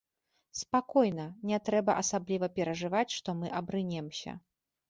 Спакойна, не трэба асабліва перажываць, што мы абрынемся.